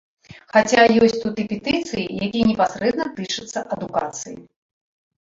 Хаця ёсць тут і петыцыі, якія непасрэдна тычацца адукацыі.